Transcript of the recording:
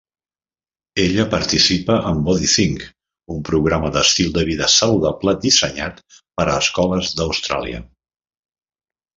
Ella participa en BodyThink, un programa d'estil de vida saludable dissenyat per a escoles d'Austràlia.